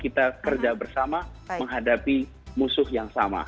kita kerja bersama menghadapi musuh yang sama